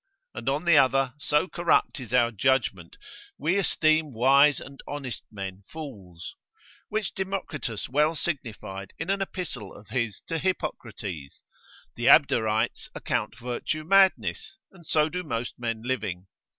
And on the other, so corrupt is our judgment, we esteem wise and honest men fools. Which Democritus well signified in an epistle of his to Hippocrates: the Abderites account virtue madness, and so do most men living.